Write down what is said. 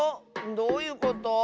どういうこと？